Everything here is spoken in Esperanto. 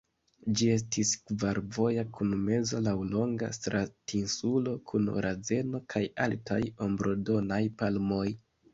Ĝi estis kvarvoja kun meza laŭlonga stratinsulo kun razeno kaj altaj ombrodonaj palmoj.